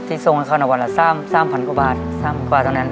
ที่ส่งให้เขาในวันอ่ะสามสามพันกว่าบาทสามพันกว่าบาทเท่านั้น